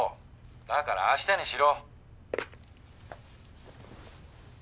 だから明日にしろ。